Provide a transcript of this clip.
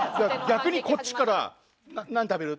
逆にこっちから「何食べる？」